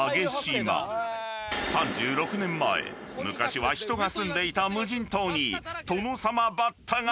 ［３６年前昔は人が住んでいた］